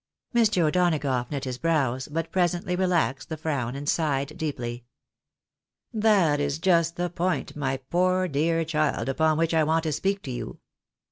Mr. O'Donagough knit liis brows, but presently relaxed the frown, and sighed deeply. " That is just the point, my poor dear child, upon which I want to speak to you.